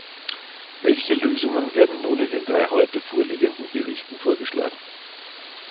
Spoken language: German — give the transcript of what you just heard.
Welche Lösungen werden nun in den drei heute vorliegenden Berichten vorgeschlagen?